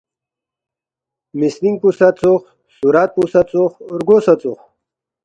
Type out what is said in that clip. مِسنِنگ پو سہ ژوخ، صُورت پو سہ ژوخ رگو سہ ژوخ